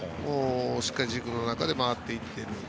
しっかり自分の中で回っていってる。